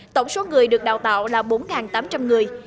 tổng số người được đào tạo là bốn tám trăm linh người